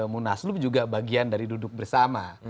munaslup juga bagian dari duduk bersama